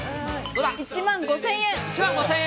１万５０００円。